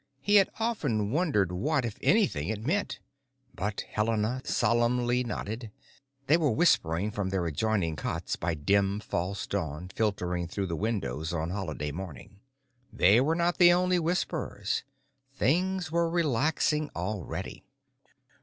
He had often wondered what, if anything, it meant. But Helena solemnly nodded. They were whispering from their adjoining cots by dim, false dawn filtering through the windows on Holiday morning. They were not the only whisperers. Things were relaxing already.